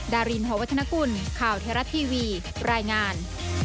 ดารินหอวัฒนกุลข่าวเทราะทีวีรายงาน